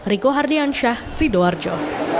riko hardiansyah sidoarjo